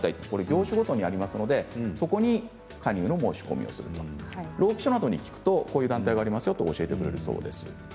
これは業種ごとにありますのでそこに加入の申し込みをするか労基署などに聞くとこういう団体がありますよと教えてくれるそうです。